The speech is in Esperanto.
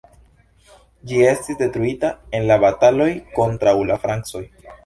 Ĝi estis detruita en la bataloj kontraŭ la francoj.